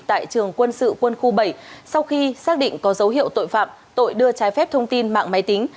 tại trường quân sự quân khu bảy sau khi xác định có dấu hiệu tội phạm tội đưa trái phép thông tin mạng máy tính